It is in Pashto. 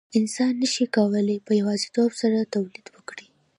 انسان نشي کولای په یوازیتوب سره تولید وکړي.